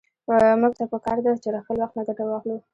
موږ ته په کار ده چې له خپل وخت نه ګټه واخلو.